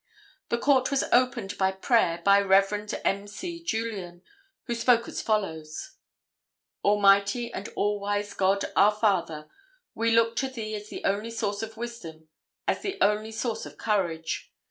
The court was opened by prayer by Rev. M. C. Julien, who spoke as follows: "Almighty and all wise God, our Father, we look to Thee as the only source of wisdom, as the only source of courage.